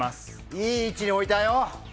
いい位置に置いたよ。